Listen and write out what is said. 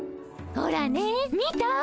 ほらね見た？